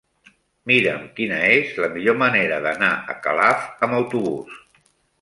Mira'm quina és la millor manera d'anar a Calaf amb autobús.